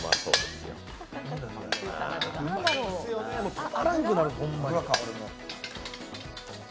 たまらんくなる、ホンマに。